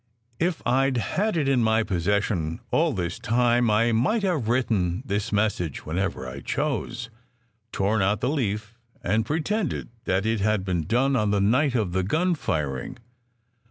"If I d had it in my possession all this time I might have written this message whenever I chose, torn out the leaf, and pretended that it had been done on the night of the gunfiring.